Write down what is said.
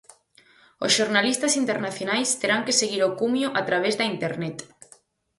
Os xornalistas internacionais terán que seguir o cumio a través da Internet.